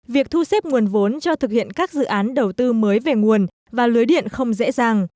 việc thu xếp nguồn vốn cho thực hiện các dự án đầu tư mới về nguồn và lưới điện không dễ dàng